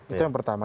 itu yang pertama